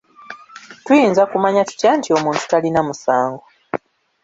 Tuyinza kumanya tutya nti omuntu talina musango?